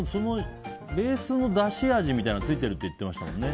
ベースのだし味みたいなのついてるって言ってましたよね。